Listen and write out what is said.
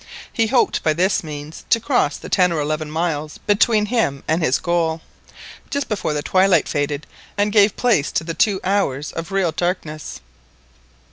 He hoped by this means to cross the ten or eleven miles between him and his goal, just before the twilight faded and gave place to the two hours of real darkness.